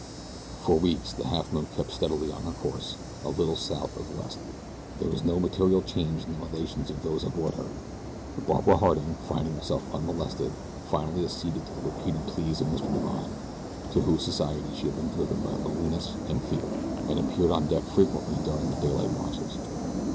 For weeks the Halfmoon kept steadily on her course, a little south of west. There was no material change in the relations of those aboard her. Barbara Harding, finding herself unmolested, finally acceded to the repeated pleas of Mr. Divine, to whose society she had been driven by loneliness and fear, and appeared on deck frequently during the daylight watches.